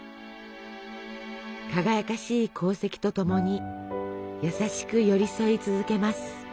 輝かしい功績とともに優しく寄り添い続けます。